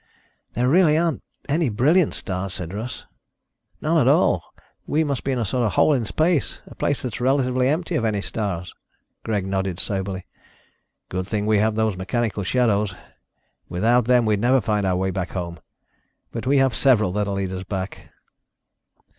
"There really aren't any brilliant stars," said Russ. "None at all. We must be in a sort of hole in space, a place that's relatively empty of any stars." Greg nodded soberly. "Good thing we have those mechanical shadows. Without them we'd never find our way back home. But we have several that will lead us back."